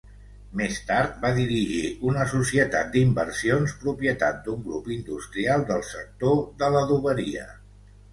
Més tard, va dirigir una societat d'inversions propietat d'un grup industrial del sector de l'adoberia.